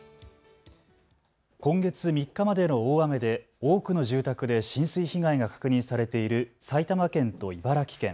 今月３日までの大雨で多くの住宅で浸水被害が確認されている埼玉県と茨城県。